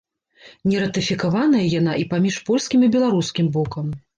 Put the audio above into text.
Нератыфікаваная яна і паміж польскім і беларускім бокам.